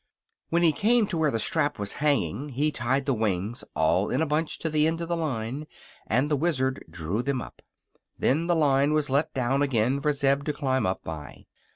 When he came to where the strap was hanging he tied the wings all in a bunch to the end of the line, and the Wizard drew them up. Then the line was let down again for Zeb to climb up by.